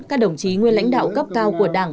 các đồng chí nguyên lãnh đạo cấp cao của đảng